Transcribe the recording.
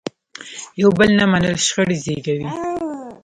یو بل نه منل شخړې زیږوي.